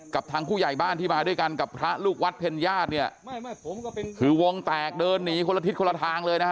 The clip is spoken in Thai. ทางผู้ใหญ่บ้านที่มาด้วยกันกับพระลูกวัดเพ็ญญาติเนี่ยคือวงแตกเดินหนีคนละทิศคนละทางเลยนะฮะ